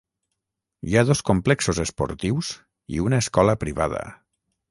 Hi ha dos complexos esportius i una escola privada.